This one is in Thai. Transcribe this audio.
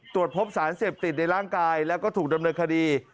ตรวจพบสารเสพติดในร่างกายแล้วก็ถูกดำเนินคดี